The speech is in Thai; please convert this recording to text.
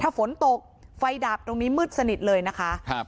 ถ้าฝนตกไฟดับตรงนี้มืดสนิทเลยนะคะครับ